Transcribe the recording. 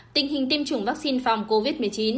tình hình tiêm chủng vắc xin phòng covid một mươi chín